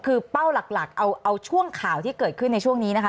คือเป้าหลักเอาช่วงข่าวที่เกิดขึ้นในช่วงนี้นะคะ